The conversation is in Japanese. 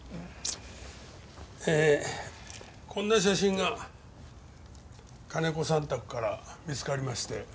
ええこんな写真が金子さん宅から見つかりまして。